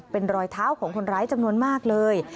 เป็นรอยเท้าของคนร้ายจำนวนมากเลย